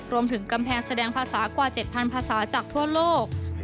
รวมถึงกำแพงแสดงภาษากว่า๗๐๐ภาษาจากทั่วโลก